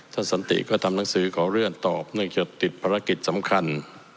สันติก็ทำหนังสือขอเลื่อนตอบเนื่องจากติดภารกิจสำคัญ